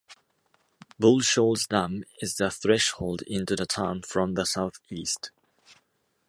Bull Shoals Dam is the threshold into the town from the southeast.